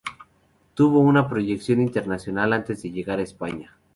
Tuvo una proyección internacional antes de llegar a España.